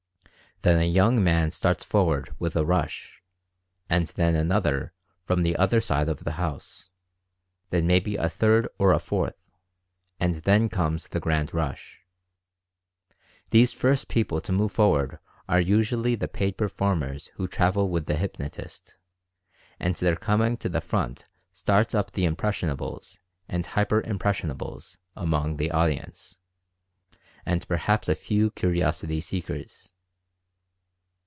Then a young man starts for ward with a rush, and then another from the other side of the house. Then maybe a third or a fourth — and then comes the grand rush. These first people to move forward are usually the paid performers who travel with the hypnotist, and their coming to the front starts up the " impressionable s" and u hyper im pressionables ,> among the audience, and perhaps a few curiosity seekers.